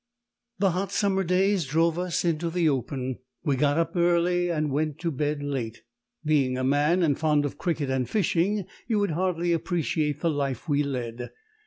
The hot summer days drove us into the open: we got up early and went to bed late. Being a man, and fond of cricket and fishing, you would hardly appreciate the life we led.